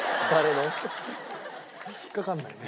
引っかかんないね。